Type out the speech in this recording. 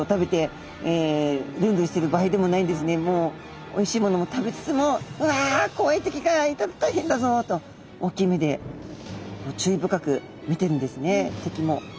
もうおいしいものも食べつつも「うわ怖い敵がいたら大変だぞ！」と大きい目で注意深く見てるんですね敵も。